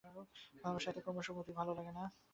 ভালোবাসার এত ক্রমশ মতির ভালো লাগে না।